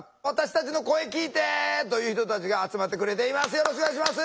よろしくお願いします。